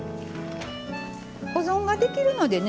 保存ができるのでね